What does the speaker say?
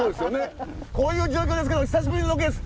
こういう状況ですけど久しぶりのロケです。